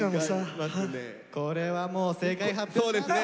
これはもう正解発表しますか？